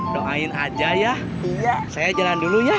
doain aja ya saya jalan dulu ya